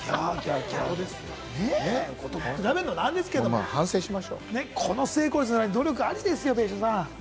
比べるのなんですけれども、この成功率に努力ありですよ、別所さん。